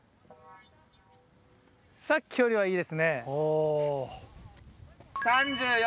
さっきよりはいいですね。